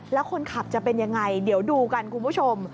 แล้วคนขับจะเป็นยังไงเดี๋ยวดูกันคุณผู้ชม